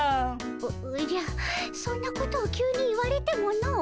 おおじゃそんなことを急に言われてもの。